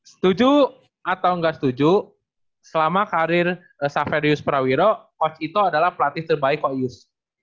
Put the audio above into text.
setuju atau gak setuju selama karir saferius prawiro coach itu adalah pelatih terbaik kok yus